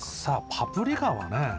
パプリカはね